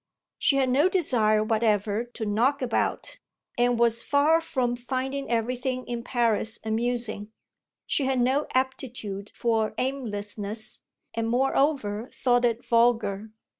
She had no desire whatever to knock about and was far from finding everything in Paris amusing. She had no aptitude for aimlessness, and moreover thought it vulgar.